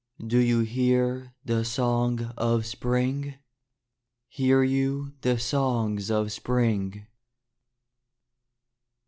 Do you hear the song of spring ? Hear you the songs of spring